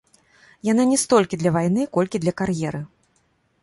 Яна не столькі для вайны, колькі для кар'еры.